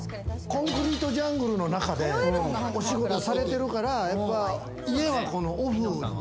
コンクリートジャングルの中でお仕事されてるから、家は。